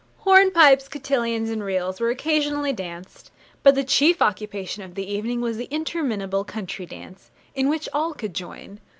Hornpipes, cotillons, and reels, were occasionally danced; but the chief occupation of the evening was the interminable country dance, in which all could join.